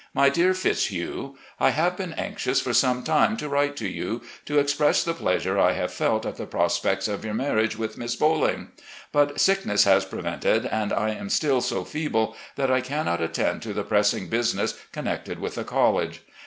My Dear Fitzhugh: I have been anxious for some time to write to you, to express the pleasure I have felt at the prospects of yotir marriage with Miss Bolling; but sick ness has prevented, and I am still so feeble that I cannot attend to the pressing business connected with the col lege.